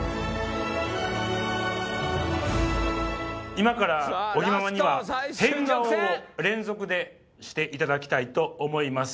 今から尾木ママには変顔を連続でしていただきたいと思います。